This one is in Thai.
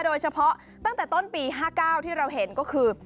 โดยเฉพาะตั้งแต่ต้นปี๕๙ที่เราเห็นก็คือ